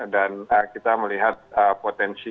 dan kita melihat potensi